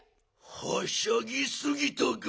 はしゃぎすぎたガン。